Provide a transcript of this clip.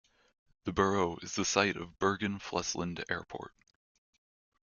The borough is the site of Bergen Flesland Airport.